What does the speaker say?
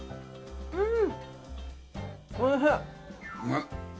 うん！